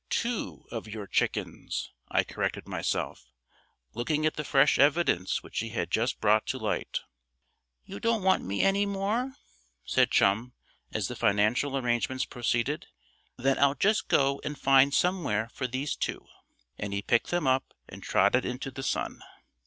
"Two of your chickens," I corrected myself, looking at the fresh evidence which he had just brought to light. "You don't want me any more?" said Chum, as the financial arrangements proceeded. "Then I'll just go and find somewhere for these two." And he picked them up and trotted into the sun.